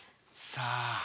さあ。